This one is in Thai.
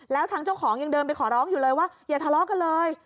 แล้วทางเจ้าของยังเดินไปขอร้องอยู่เลยว่าอย่าทะเลาะกันเลย